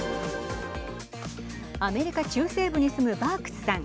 アメリカ中西部に住むバークスさん。